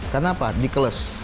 karena apa di keles